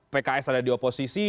pks ada di oposisi